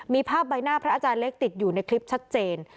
มีภาพใบหน้าพระอาจารย์เล็กติดอยู่ในคลิปชัดเจน